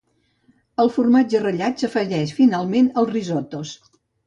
El formatge ratllat s'afegeix finalment als risottos.